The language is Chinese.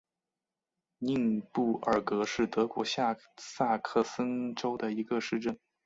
宁布尔格是德国下萨克森州的一个市镇。